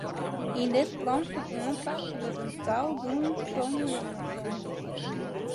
Yn dit plan fan oanpak wurdt in tal doelen formulearre.